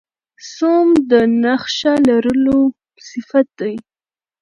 سوم د نخښهلرلو صفت دئ.